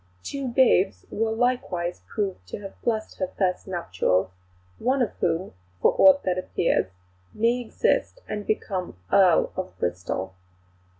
Two babes were likewise proved to have blessed her first nuptials, one of whom, for aught that appears, may exist and become Earl of Bristol."